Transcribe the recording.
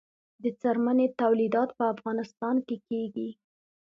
د څرمنې تولیدات په افغانستان کې کیږي